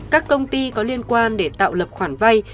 các công ty có liên quan để tạo lập khoản vay